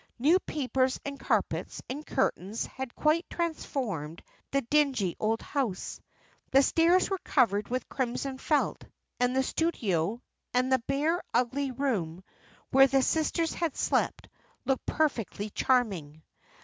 New papers, and carpets, and curtains, had quite transformed the dingy old house. The stairs were covered with crimson felt, and the studio, and the bare, ugly room, where the sisters had slept, looked perfectly charming.